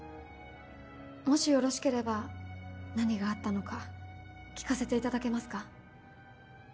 もしよろしければ何があったのか聞かせていただけますか？